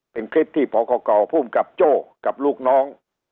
เป็นคลิปที่พกภูมิกับโจ้กับลูกน้อง